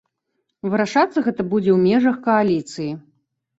Вырашацца гэта будзе ў межах кааліцыі.